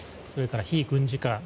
それから非軍事化